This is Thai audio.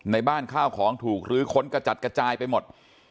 ในบ้านข้าวของถูกลื้อค้นกระจัดกระจายไปหมด